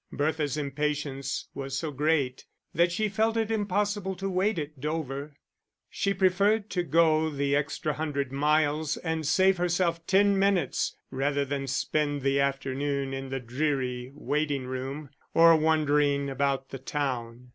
Bertha's impatience was so great that she felt it impossible to wait at Dover; she preferred to go the extra hundred miles and save herself ten minutes rather than spend the afternoon in the dreary waiting room, or wandering about the town.